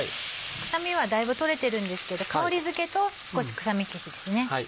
臭みはだいぶ取れてるんですけど香りづけと少し臭み消しですね。